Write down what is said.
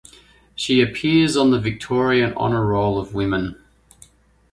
She appears on the Victorian Honour Roll of Women.